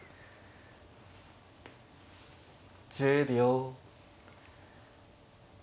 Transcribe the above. １０秒。